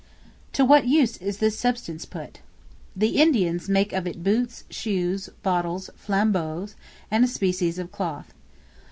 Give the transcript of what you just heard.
To what use is this substance put? The Indians make of it boots, shoes, bottles, flambeaux, and a species of cloth.